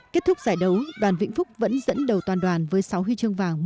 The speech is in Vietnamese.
kết thúc giải đấu đoàn vĩnh phúc vẫn dẫn đầu toàn đoàn với sáu huy chương vàng